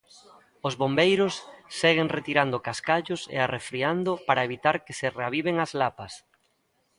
Os bombeiros seguen retirando cascallos e arrefriando para evitar que se reaviven as lapas.